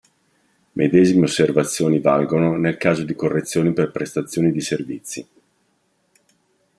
Medesime osservazioni valgono nel caso di correzioni per prestazioni di servizi.